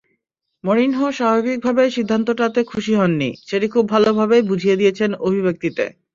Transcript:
Mourinho স্বাভাবিকভাবেই সিদ্ধান্তটাতে খুশি হননি, সেটি খুব ভালোভাবেই বুঝিয়ে দিয়েছেন অভিব্যক্তিতে।